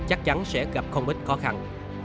chắc chắn sẽ gặp không ít khó khăn